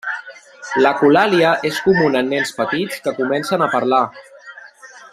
L'ecolàlia és comuna en nens petits que comencen a parlar.